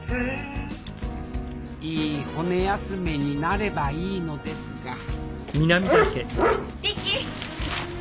いい骨休めになればいいのですがリキ！